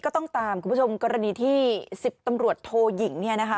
ต้องตามกรณีที่สิทธิ์ตำรวจโทหยิง